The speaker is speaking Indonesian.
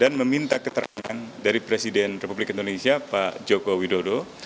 dan meminta keterangan dari presiden republik indonesia pak joko widodo